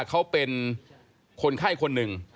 เขาเป็นคนไข้คนหนึ่ง